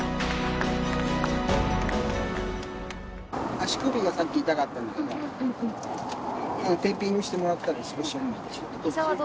足首がさっき痛かったんだけど、テーピングしてもらったら、少しは。